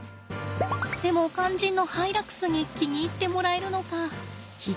でも肝心のハイラックスに気に入ってもらえるのか。